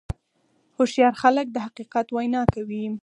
هوښیار خلک د حقیقت وینا کوي.